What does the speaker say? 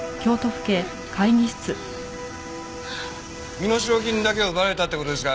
身代金だけを奪われたって事ですか？